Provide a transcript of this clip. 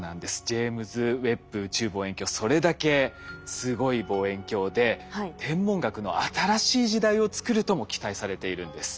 ジェイムズ・ウェッブ宇宙望遠鏡それだけすごい望遠鏡で天文学の新しい時代をつくるとも期待されているんです。